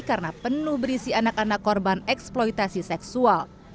karena penuh berisi anak anak korban eksploitasi seksual